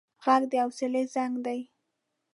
غږ د حوصله زنګ دی